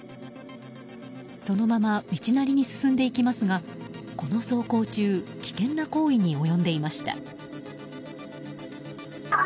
そのまま道なりに進んでいきますがこの走行中、危険な行為に及んでいました。